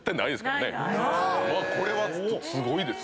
これはすごいですよ。